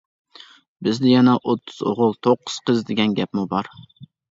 بىزدە يەنە ‹ ‹ئوتتۇز ئوغۇل، توققۇز قىز› › دېگەن گەپمۇ بار.